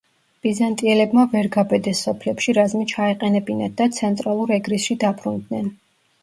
ბიზანტიელებმა ვერ გაბედეს სოფლებში რაზმი ჩაეყენებინათ და ცენტრალურ ეგრისში დაბრუნდნენ.